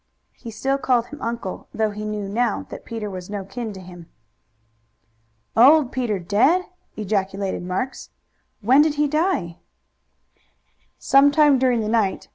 He still called him uncle, though he knew now that Peter was no kin to him. "Old Peter dead!" ejaculated Marks. "When did he die?" "Some time during the night.